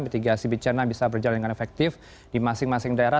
untuk tiga asib bencana bisa berjalan dengan efektif di masing masing daerah